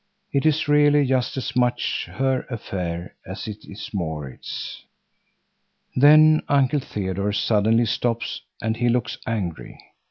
It is really just as much her affair as it is Maurits's. Then Uncle Theodore suddenly stops and he looks angry.